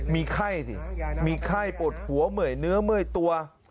มีไข้สิมีไข้ปวดหัวเหมือยเนื้อเมื่อยตัว